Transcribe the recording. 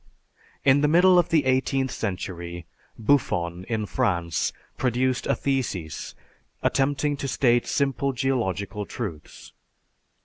In the middle of the eighteenth century Buffon, in France, produced a thesis attempting to state simple geological truths.